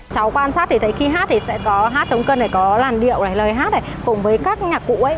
cháu quan sát thì thấy khi hát thì sẽ có hát chống cân này có làn điệu này lời hát này cùng với các nhạc cụ ấy